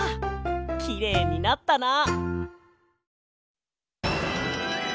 きれいになったな。